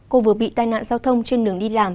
cô vừa bị tai nạn giao thông trên đường đi làm